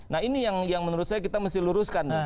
nah ini yang menurut saya kita mesti luruskan